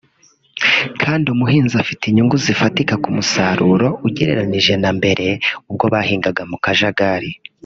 kandi umuhinzi afite inyungu zifatika ku musaruro ugeranyije na mbere ubwo bahingaga mu kajagari